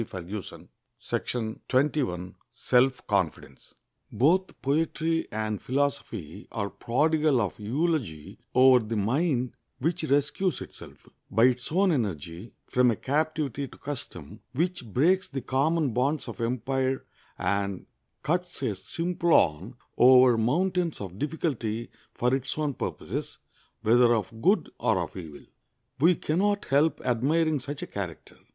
[Illustration: SELF CONFIDENCE.] Both poetry and philosophy are prodigal of eulogy over the mind which rescues itself, by its own energy, from a captivity to custom, which breaks the common bonds of empire and cuts a Simplon over mountains of difficulty for its own purposes, whether of good or of evil. We can not help admiring such a character.